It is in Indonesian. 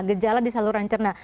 gejala di saluran cerna